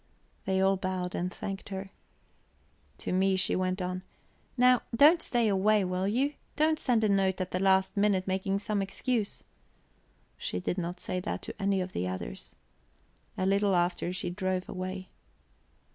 They all bowed and thanked her. To me, she went on: "Now, don't stay away, will you? Don't send a note at the last minute making some excuse." She did not say that to any of the others. A little after she drove away.